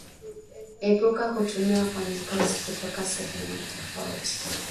Epuka kutumia wafanyakazi kutoka sehemu tofauti